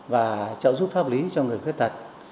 và trợ giúp pháp lý cho người khuyết tật